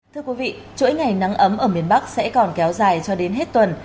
thưa quý vị chuỗi ngày nắng ấm ở miền bắc sẽ còn kéo dài cho đến hết tuần